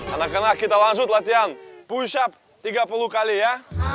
anak anak kita langsung latihan push up tiga puluh kali ya